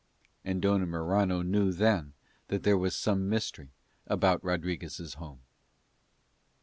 And Dona Mirana knew then that there was some mystery about Rodriguez' home.